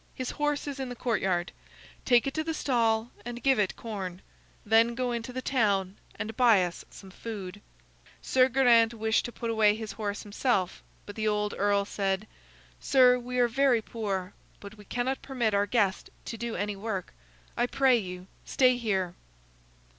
His horse is in the courtyard; take it to the stall and give it corn. Then go into the town and buy us some food." Sir Geraint wished to put away his horse himself, but the old earl said: "Sir, we are very poor, but we cannot permit our guest to do any work. I pray you, stay here."